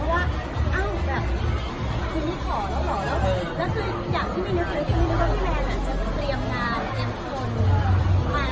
มาได้กับขณะนี้โดยเฉพาะทีมคืระออกออนไลน์